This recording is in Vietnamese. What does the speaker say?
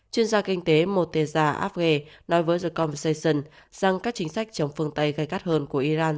chuyên gia kinh tế moteza afge nói với the conversation rằng các chính sách chống phương tây gây cắt hơn của iran